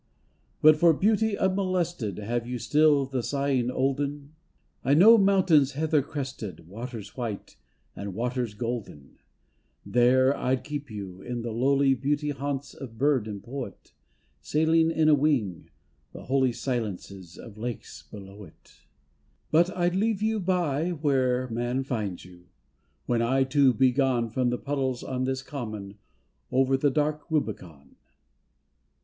But for Beauty unmolested Have you still the sighing olden? I know mountains healther crested, Waters white, and waters golden. TO AN OLD QUILL OF LORD DUNSANY'S 233 There I'd keep you, in the lowly Beauty haunts of bird and poet, Sailing in a wing, the holy Silences of lakes below it. But I leave you by where no man Finds you, when I too be gone From the puddles on this common Over the dark Rubicon.